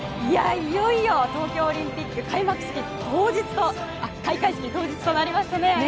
いよいよ東京オリンピック開会式当日となりましたね。